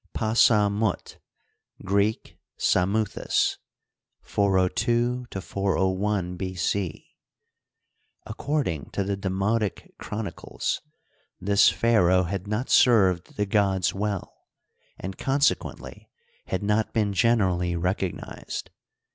Pa sa mut (Greek, Psamuihis) (402 401 B.C.). — According to the Demotic Chronicles, this pharaoh had not served the gods well, and consequently had not been generally recognized.